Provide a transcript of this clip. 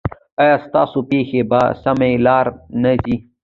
ایا ستاسو پښې په سمه لار نه ځي؟